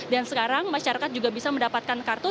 dan sekarang masyarakat juga bisa mendapatkan kartu